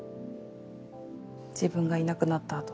自分がいなくなったあと。